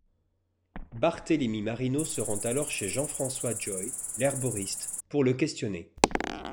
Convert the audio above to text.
Barthélémy Marino se rend alors chez Jean-François Joye l'herboriste pour le questionner.